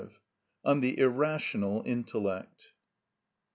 (16) On The Irrational Intellect.